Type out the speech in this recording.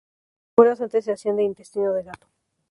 Las cuerdas antes se hacían de intestino de gato.